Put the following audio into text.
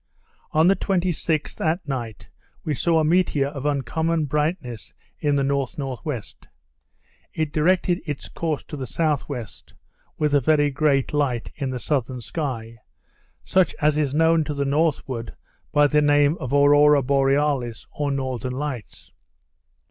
On the 26th, at night, we saw a meteor of uncommon brightness in the N.N.W. It directed its course to the S.W., with a very great light in the southern sky, such as is known to the northward by the name of Aurora Borealis, or Northern Lights.